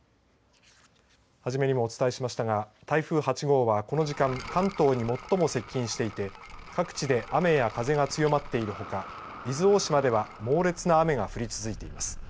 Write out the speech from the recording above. はじめにもお伝えしましたが台風８号はこの時間関東に最も接近していて各地で雨や風が強まっているほか伊豆大島では猛烈な雨が降り続いています。